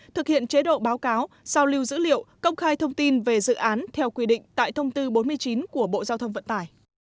thực hiện chế độ báo cáo sao lưu dữ liệu công khai thông tin về dự án theo quy định tại thông tư bốn mươi chín của bộ giao thông vận tải